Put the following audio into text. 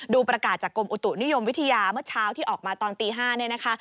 ประกาศจากกรมอุตุนิยมวิทยาเมื่อเช้าที่ออกมาตอนตี๕เนี่ยนะคะ